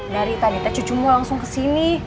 dari tadita cucumu langsung kesini